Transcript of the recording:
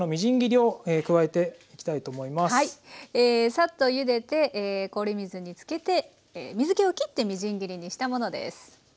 サッとゆでて氷水に漬けて水けを切ってみじん切りにしたものです。